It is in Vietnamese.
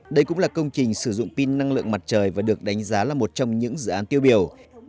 đây cũng là công trình sử dụng pin năng lượng mặt trời và được đánh giá là một trong những dự án tiêu biểu